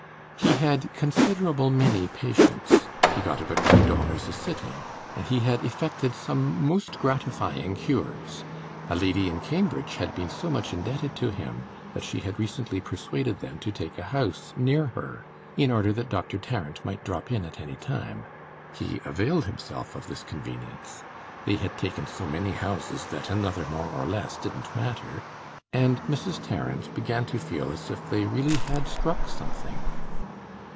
He had "considerable many" patients, he got about two dollars a sitting, and he had effected some most gratifying cures. A lady in Cambridge had been so much indebted to him that she had recently persuaded them to take a house near her, in order that Doctor Tarrant might drop in at any time. He availed himself of this convenience they had taken so many houses that another, more or less, didn't matter and Mrs. Tarrant began to feel as if they really had "struck" something.